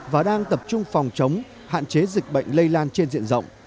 và đang tập trung phòng chống hạn chế dịch bệnh lây lan trên diện rộng